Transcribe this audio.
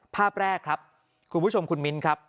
ภาพแรกครับคุณผู้ชมคุณมิ้นครับ